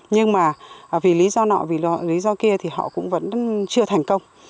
nhưng mà vì lý do nọ vì lý do kia thì họ cũng vẫn chưa thành công